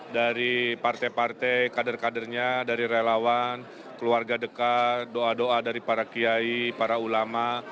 dari partai partai kader kadernya dari relawan keluarga dekat doa doa dari para kiai para ulama